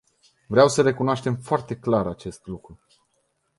Vreau să recunoaștem foarte clar acest lucru.